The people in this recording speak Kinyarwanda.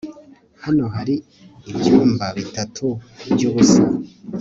hano hari ibyumba bitatu byubusa